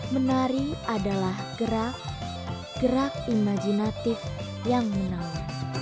menari adalah gerak gerak imajinatif yang menawar